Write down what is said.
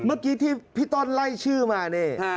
เมื่อกี้ที่พี่ต้นไล่ชื่อมานี่